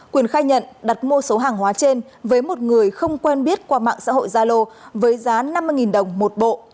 quyền khai nhận đặt mua số hàng hóa trên với một người không quen biết qua mạng xã hội gia lô với giá năm mươi đồng một bộ